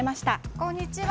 こんにちは。